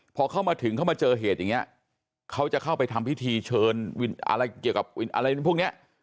พอเข้ามาถึงเข้ามาเจอเหตุอย่างนี้เขาจะเข้าไปทำพิธีเชิญอะไรเกี่ยวกับอะไรพวกนี้